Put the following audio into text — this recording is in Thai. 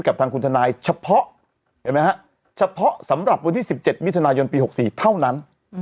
กับทางคุณทนายเฉพาะเห็นไหมฮะเฉพาะสำหรับวันที่๑๗มิถุนายนปี๖๔เท่านั้น